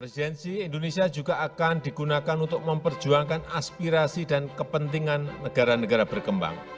presidensi indonesia juga akan digunakan untuk memperjuangkan aspirasi dan kepentingan negara negara berkembang